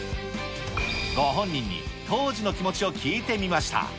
ご本人に当時の気持ちを聞いてみました。